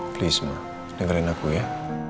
please ma dengerin aku ya